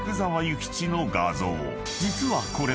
［実はこれも］